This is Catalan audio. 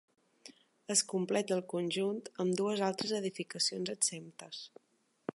Es completa el conjunt amb dues altres edificacions exemptes.